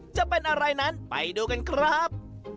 จะเป็นอะไรนั้นไปดูกันครับ